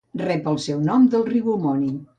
Rep el seu nom del riu homònim.